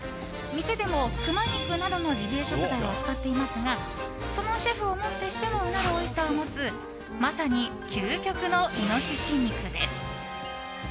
店でも、クマ肉などのジビエ食材を扱っていますがそのシェフをもってしてもうなるおいしさを持つまさに究極のイノシシ肉です。